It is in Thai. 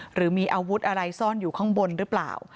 หรือมีอาวุธอะไรซ่อนอยู่ข้างบนหรือเปล่า